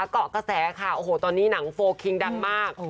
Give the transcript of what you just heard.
เกาะกระแสค่ะโอ้โหตอนนี้หนังโฟลคิงดังมาก